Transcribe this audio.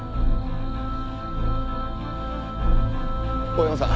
大山さん